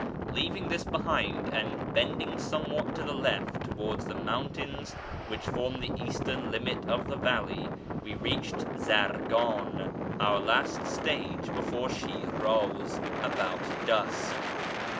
Leaving this behind, and bendinfT somewhat to the left towards the mountains which form the eastern limit of the valley, we reached Zargan, our last stage before Shiraz, about dusk.